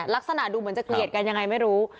ลักษณะดูเหมือนจะเกลียดกันยังไงไม่รู้